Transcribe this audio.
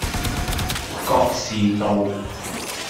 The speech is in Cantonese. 覺士道